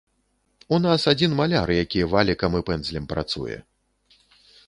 У нас адзін маляр, які валікам і пэндзлем працуе.